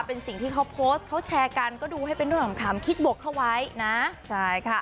เป็นสิ่งที่เขาโพสต์เขาแชร์กันก็ดูให้เป็นเรื่องสำคัญคิดบวกเข้าไว้นะใช่ค่ะ